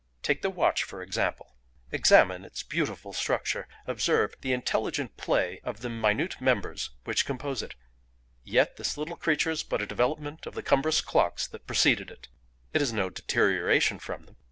"Take the watch, for example; examine its beautiful structure; observe the intelligent play of the minute members which compose it: yet this little creature is but a development of the cumbrous clocks that preceded it; it is no deterioration from them.